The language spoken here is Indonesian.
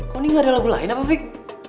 kau ini gak ada lagu lain apa fik